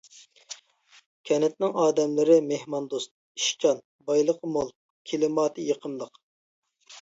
كەنتنىڭ ئادەملىرى مېھماندوست، ئىشچان، بايلىقى مول، كىلىماتى يېقىملىق.